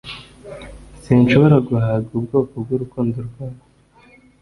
sinshobora guhaga ubwoko bwurukundo rwawe